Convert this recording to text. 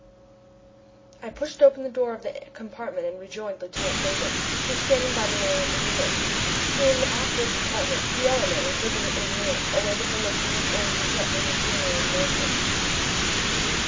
I pushed open the door of the compartment and rejoined Lieutenant Davon, who was standing by the man at the wheel. In the after compartment three other men, including the engineer, awaited the lieutenant's orders to set the machinery in motion.